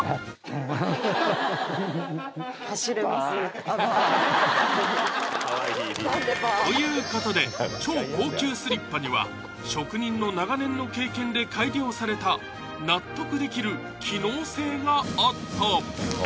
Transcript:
フフッということで超高級スリッパには職人の長年の経験で改良された納得できる機能性があった！